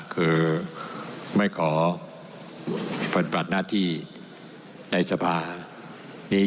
คือไม่ขอปฏิบัติหน้าที่ในสภานี้